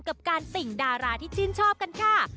กับการติ่งดาราที่ชื่นชอบกันค่ะ